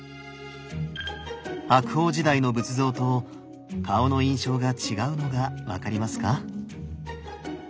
白鳳時代の仏像と顔の印象が違うのが分かりますか？